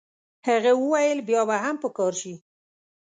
هغه وویل بیا به هم په کار شي.